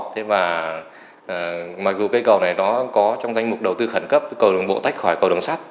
thế và mặc dù cây cầu này đó có trong danh mục đầu tư khẩn cấp cầu đường bộ tách khỏi cầu đường sắt